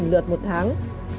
lượt một tháng